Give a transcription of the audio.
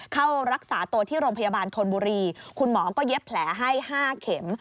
เข้ารักษาตัวที่โรงพยาบาลธนบุรีคุณหมอก็เย็บแผลให้๕เข็ม